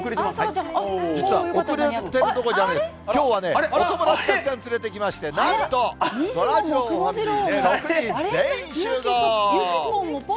実は遅れてるどころじゃないです、きょうはね、お友達たくさん連れてきまして、なんとそらジローファミリー６人全員集合！